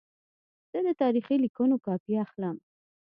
زه د تاریخي لیکونو کاپي اخلم.